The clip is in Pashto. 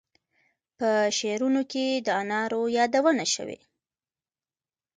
په شعرونو کې د انارو یادونه شوې.